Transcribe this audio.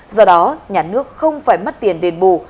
do đó nhà nước không phải mất tiền đền bù